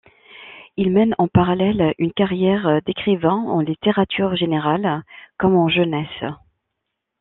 Il mène en parallèle une carrière d'écrivain, en littérature générale comme en jeunesse.